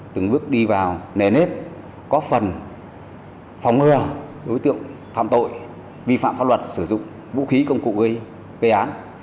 từng bước đi vào nề nếp có phần phòng ngừa đối tượng phạm tội vi phạm pháp luật sử dụng vũ khí công cụ gây án